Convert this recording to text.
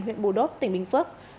huyện bù đốt tỉnh bình phước